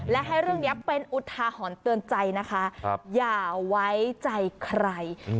และให้เรื่องนี้เป็นอุทาหรณ์เตือนใจนะคะอย่าไว้ใจใคร